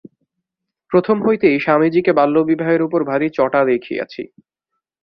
প্রথম হইতেই স্বামীজীকে বাল্যবিবাহের উপর ভারি চটা দেখিয়াছি।